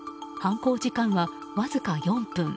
犯行時間はわずか４分。